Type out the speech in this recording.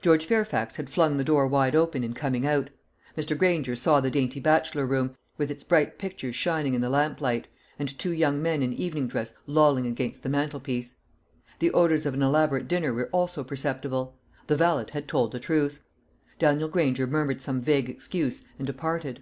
George Fairfax had flung the door wide open in coming out. Mr. Granger saw the dainty bachelor room, with its bright pictures shining in the lamp light, and two young men in evening dress lolling against the mantelpiece. The odours of an elaborate dinner were also perceptible. The valet had told the truth. Daniel Granger murmured some vague excuse, and departed.